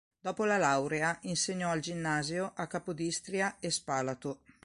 Dopo la laurea insegnò al ginnasio a Capodistria e Spalato.